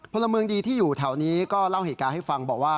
พลเมืองดีที่อยู่แถวนี้ก็เล่าเหตุการณ์ให้ฟังบอกว่า